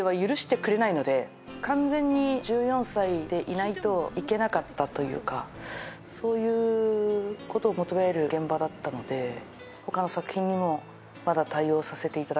でいないといけなかったというかそういうことを求める現場だったので他の作品にもまだ対応させていただける。